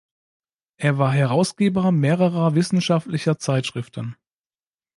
Er war Herausgeber mehrerer wissenschaftlicher Zeitschriften.